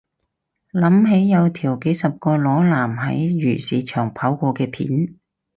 諗起有條幾十個裸男喺漁市場跑過嘅片